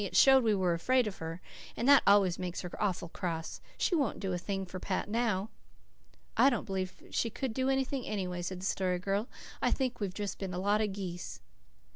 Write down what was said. "It showed we were afraid of her, and that always makes her awful cross. She won't do a thing for Pat now." "I don't believe she could do anything, anyway," said the Story Girl. "I think we've just been a lot of geese."